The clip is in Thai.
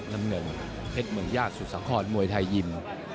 น้ำเงินเพชรเมืองญาติสุสาครมวยไทยยิม